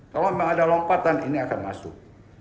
kalau memang ada lompatan ini akan masuk